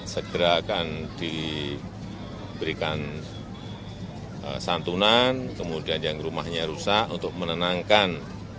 segera akan diberikan santunan kemudian yang rumahnya rusak untuk menenangkan